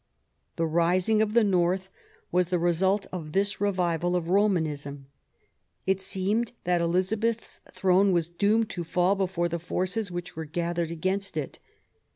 THE EXCOMMUNICATION OF ELIZABETH, 131 The rising of the North was the result of this revival of Romanism. It seemed that Elizabeth's throne was doomed to fall before the forces which were gathering against it.